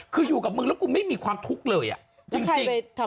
คืออยู่กับมึงแล้วกูไม่มีความทุกข์เลยจริง